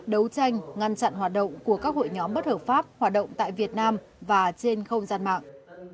đấu tranh ngăn chặn hoạt động của các hội nhóm bất hợp pháp hoạt động tại việt nam và trên không gian mạng